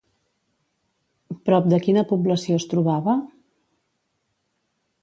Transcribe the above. Prop de quina població es trobava?